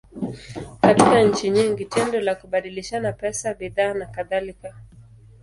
Katika nchi nyingi, tendo la kubadilishana pesa, bidhaa, nakadhalika.